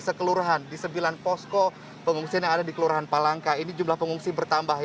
sekelurahan di sembilan posko pengungsian yang ada di kelurahan palangka ini jumlah pengungsi bertambah